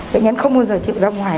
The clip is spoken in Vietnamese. bệnh nhân không bao giờ chịu ra ngoài